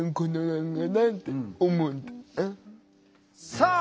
さあ